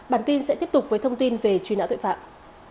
bản tin sẽ tiếp tục với thông tin về truy nã tội phạm